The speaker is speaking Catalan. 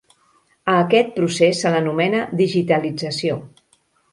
A aquest procés se l'anomena digitalització.